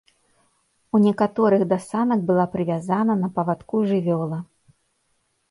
У некаторых да санак была прывязана на павадку жывёла.